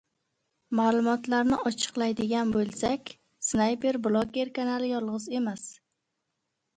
Maʼlumotlarni ochiqlaydigan boʻlsak, Snayper bloger kanali yolgʻiz emas.